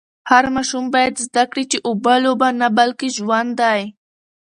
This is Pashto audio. هر ماشوم باید زده کړي چي اوبه لوبه نه بلکې ژوند دی.